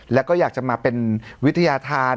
แล้วก็อยากจะมาเป็นวิทยาธาร